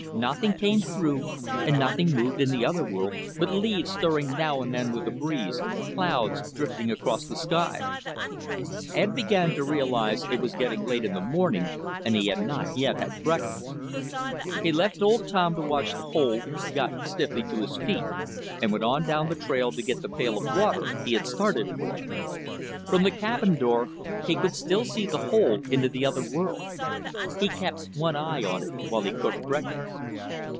Nothing came through, and nothing moved in the other world but leaves stirring now and then with a breeze, clouds drifting across the sky. Ed began to realize it was getting late in the morning, and he had not yet had breakfast. He left old Tom to watch the hole, got stiffly to his feet and went on down the trail to get the pail of water he had started for. From the cabin door, he could still see the hole into the other world. He kept one eye on it while he cooked breakfast.